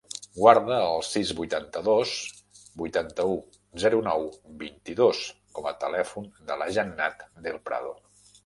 Guarda el sis, vuitanta-dos, vuitanta-u, zero, nou, vint-i-dos com a telèfon de la Jannat Del Prado.